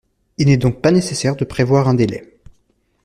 Il n’est donc pas nécessaire de prévoir un délai.